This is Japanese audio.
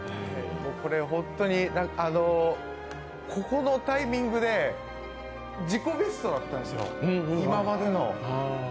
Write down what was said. これ、本当にここのタイミングで自己ベストだったんですよ、今までの。